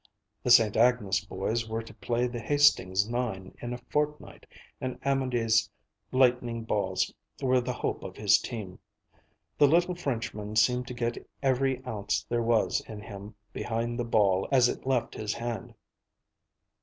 The Sainte Agnes boys were to play the Hastings nine in a fortnight, and Amédée's lightning balls were the hope of his team. The little Frenchman seemed to get every ounce there was in him behind the ball as it left his hand.